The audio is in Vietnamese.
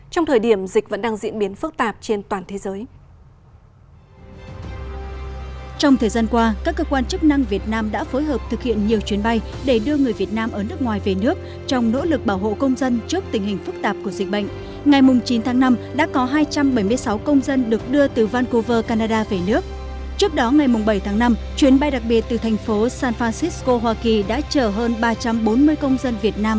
trong thời điểm dịch vẫn đang diễn biến phức tạp trên toàn thế giới